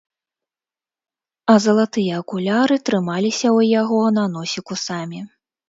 А залатыя акуляры трымаліся ў яго на носіку самі.